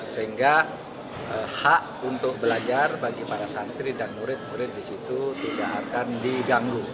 sehingga hak untuk belajar bagi para santri dan murid murid di situ tidak akan diganggu